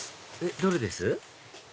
どれです？